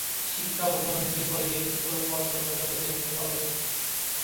শিক্ষা প্রথমে Hooghly collegiate school ও পরে কলকাতার প্রেসিডেন্সী কলেজে।